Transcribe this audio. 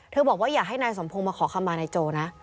บอกว่าอยากให้นายสมพงศ์มาขอคำมานายโจนะ